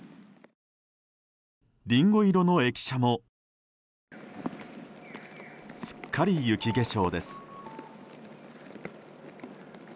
リンゴ色の駅舎もすっかり雪化粧です。